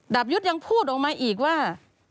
ดาบยุทธ์ยังพูดออกมาอีกว่า